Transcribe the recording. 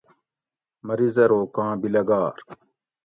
مریض ارو کاں بیلگار